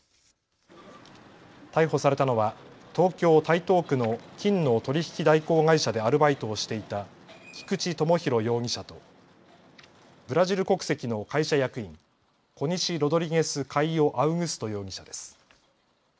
逮捕されたのは東京台東区の金の取引代行会社でアルバイトをしていた菊地友博容疑者とブラジル国籍の会社役員、コニシ・ロドリゲス・カイオ・アウグスト容疑者です。